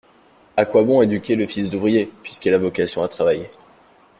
A quoi bon éduquer le fils d'ouvrier, puisqu'il a vocation à travailler